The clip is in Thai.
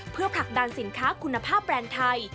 เพื่อผลักดันสินค้าคุณภาพแบรนด์ไทย